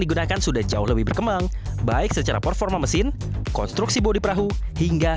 digunakan sudah jauh lebih berkembang baik secara performa mesin konstruksi bodi perahu hingga